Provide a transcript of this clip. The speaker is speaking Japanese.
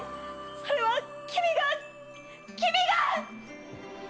それは君が君が！